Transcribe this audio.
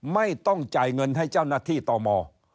ไม่ต้องจ่ายเงินให้เจ้าหน้าที่ตม